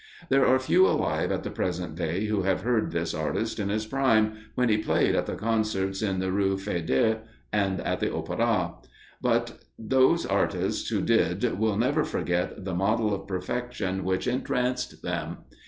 There are few alive at the present day who have heard this artist in his prime, when he played at the concerts in the Rue Feydeau and at the Opera; but those artists who did will never forget the model of perfection which entranced them.